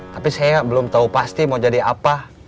tapi saya belum tahu pasti mau jadi apa